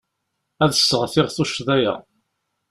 Ad sseɣtiɣ tuccḍa-ya.